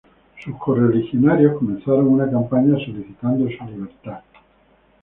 Sus correligionarios comenzaron una campaña solicitando su libertad.